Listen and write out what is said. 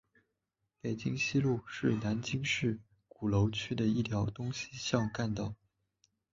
北京西路是南京市鼓楼区的一条东西向干道。